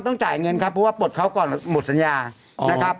จ่ายเงินครับเพราะว่าปลดเขาก่อนหมดสัญญานะครับ